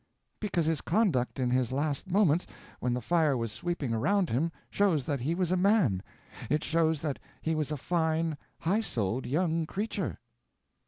"Because his conduct in his last moments, when the fire was sweeping around him shows that he was a man. It shows that he was a fine, high souled young creature."